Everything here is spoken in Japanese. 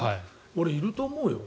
俺、いると思うよ。